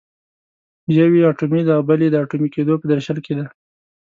یو یې اټومي دی او بل یې د اټومي کېدو په درشل کې دی.